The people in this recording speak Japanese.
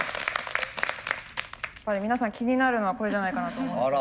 これ皆さん気になるのはこれじゃないかなと思うんですよね。